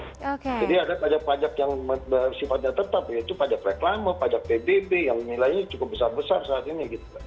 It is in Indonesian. jadi ada pajak pajak yang bersifatnya tetap yaitu pajak reklama pajak pbb yang nilainya cukup besar besar saat ini